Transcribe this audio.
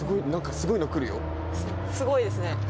なんかすごいの来るよ。すごいですね。